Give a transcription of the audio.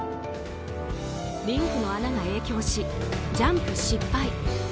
リンクの穴が影響しジャンプ失敗。